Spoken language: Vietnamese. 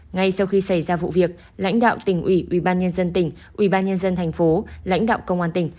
ngay sau khi xảy ra vụ việc lãnh đạo tỉnh ủy ubnd tỉnh ubnd tp lãnh đạo công an tỉnh